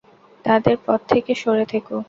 তাদের পথ থেকে সরে থেকো।